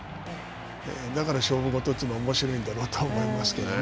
だから勝負ごとというのはおもしろいんだろうと思いますけどね。